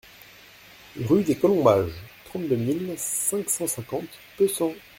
Rue des Colombages, trente-deux mille cinq cent cinquante Pessan